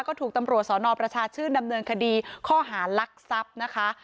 ก็ถูกตำรวจสอนอประชาชื่นดำเนินคดีข้อหารักทรัพย์นะคะ